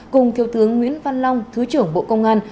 cùng thiếu tướng nguyễn văn long thứ trưởng bộ công an